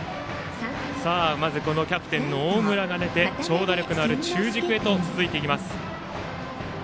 まず、キャプテンの大村が出て長打力のある中軸へと続いていきます。